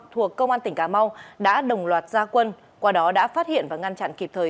thuộc công an tỉnh cà mau đã đồng loạt gia quân qua đó đã phát hiện và ngăn chặn kịp thời